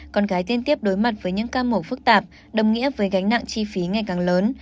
con gái liên tiếp đối mặt với những ca mổ phức tạp đồng nghĩa với gánh nặng chi phí ngày càng lớn